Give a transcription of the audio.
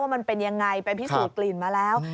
มันเป็นยังไงไปพิสูจน์กลิ่นมาแล้ว